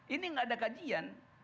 ini nggak ada kajian